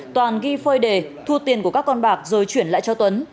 toàn ghi phơi đề thu tiền của các con bạc rồi chuyển lại cho tuấn